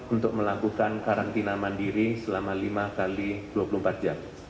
untuk melakukan karantina mandiri selama lima x dua puluh empat jam